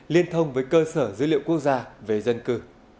liên thông với cơ sở dữ liệu quốc gia về dân cư